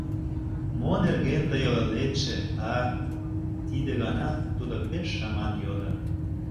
Мо нерген тый ойлетше, а? — тиде гана тудо пеш шыман йодо.